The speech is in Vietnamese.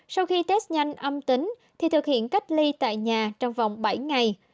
sau khi test nhanh âm tính thì thực hiện cách ly tại nhà trong vòng bảy ngày